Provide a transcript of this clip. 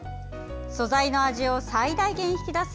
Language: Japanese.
素材の味を最大限引き出す